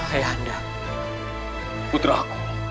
hei anda putraku